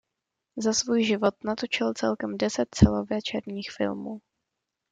Za svůj život natočil celkem deset celovečerních filmů.